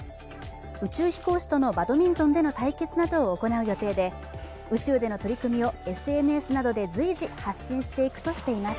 宇宙飛行士とのバドミントンでの対決などを行う予定で宇宙での取り組みをＳＮＳなどで随時発信していくとしています。